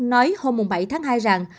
nói hôm bảy tháng hai rằng